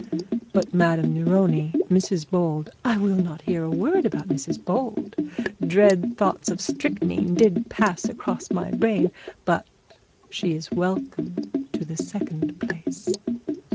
'But Madame Neroni, Mrs Bold ' 'I will not hear a word about Mrs Bold. Dread thoughts of strychnine did pass across my brain, but she is welcome to the second place.'